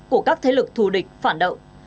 của các thế lực thù địch phản động